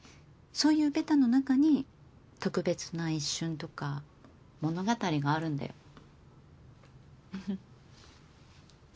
そういうベタの中に特別な一瞬とか物語があるんだよ。